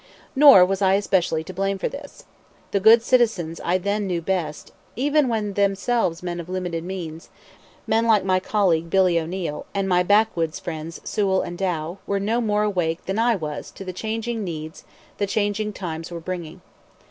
Nor was I especially to blame for this. The good citizens I then knew best, even when themselves men of limited means men like my colleague Billy O'Neill, and my backwoods friends Sewall and Dow were no more awake than I was to the changing needs the changing times were bringing.